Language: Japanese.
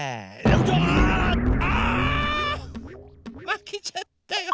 まけちゃったよ。